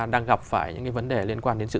đang gặp phải những cái vấn đề liên quan đến sự